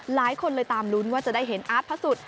หลายคนเลยตามลุ้นว่าจะได้เห็นอาร์ตพระสุทธิ